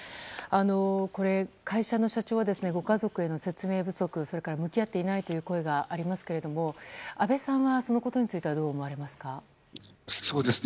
会社の社長はご家族への説明不足、そして向き合っていないという声がありますが安倍さんは、そのことについてはどう思われますか？